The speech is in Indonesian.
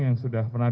yang sudah berkembang